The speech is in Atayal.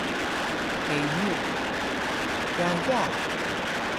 Kenu: yaya